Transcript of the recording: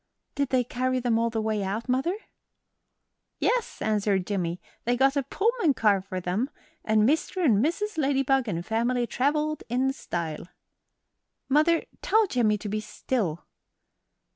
"Did they carry them all the way out, mother?" "Yes," answered Jimmie; "they got a Pullman car for them, and Mr. and Mrs. Ladybug and family travelled in style." "Mother, tell Jim to be still."